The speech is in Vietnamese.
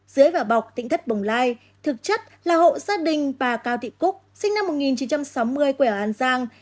dưới vẻ bọc tịnh thất bổng lai thực chất là hộ gia đình bà cao thị cúc sinh năm một nghìn chín trăm sáu mươi quẻ ở an giang